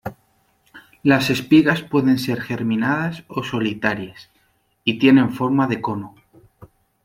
Las espigas pueden ser geminadas o solitarias, y tienen forma de cono.